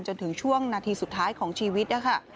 จนถึงช่วงนาทีสุดท้ายของชีวิตนะคะ